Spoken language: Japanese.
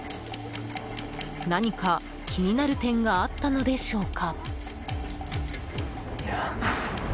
何か気になる点があったのでしょうか。